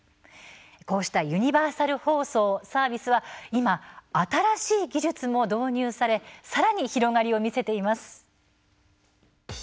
こうしたユニバーサル放送・サービスは今、新しい技術も導入されさらに広がりを見せています。